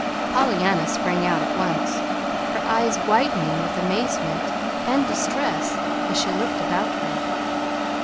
Pollyanna sprang out at once, her eyes widening with amazement and distress as she looked about her.